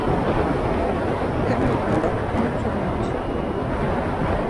hemu ǩala mutu mot.